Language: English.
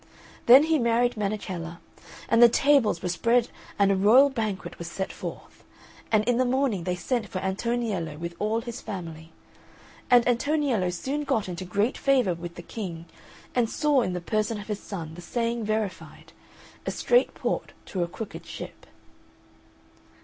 Then he married Menechella, and the tables were spread and a royal banquet was set forth; and in the morning they sent for Antoniello with all his family; and Antoniello soon got into great favour with the King, and saw in the person of his son the saying verified "A straight port to a crooked ship."